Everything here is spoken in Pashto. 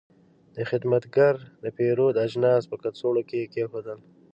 دا خدمتګر د پیرود اجناس په کڅوړو کې کېښودل.